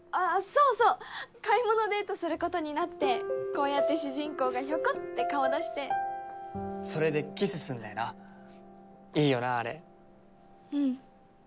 そうそう買い物デートすることになってこうやって主人公がヒョコッて顔を出してそれでキスするんだよないいよなあれうん